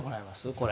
これ。